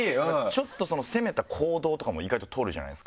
ちょっと攻めた行動とかも意外と取るじゃないですか。